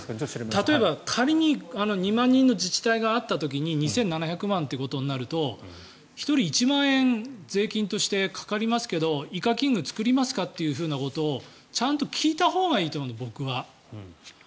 例えば、仮に２万人の自治体があった時に２７００万ということになると１人１万円税金としてかかりますけどイカキング作りますかってことをちゃんと聞いたほうがいいと思う、僕は。